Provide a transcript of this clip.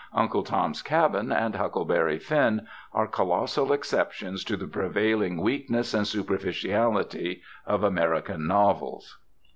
"Uncle Tom's Cabin" and "Huckleberry Finn" are colossal exceptions to the prevailing weakness and superficiality of American novels.